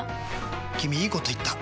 君いいこと言った！